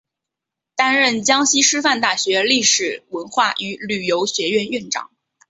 担任江西师范大学历史文化与旅游学院院长。